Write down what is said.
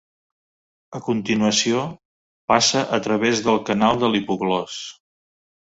A continuació, passa a través del canal de l'hipoglòs.